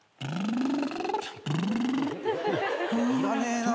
いらねえな。